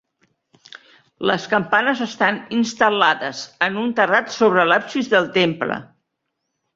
Les campanes estan instal·lades en un terrat sobre l'absis del temple.